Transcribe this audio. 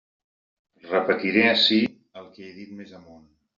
Repetiré ací el que he dit més amunt.